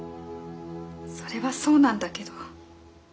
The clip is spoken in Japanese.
それはそうなんだけど。